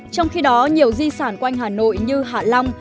trong khi đó nhiều di sản quanh hà nội như hạ long